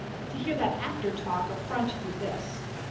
To hear that actor talk, affront you thus!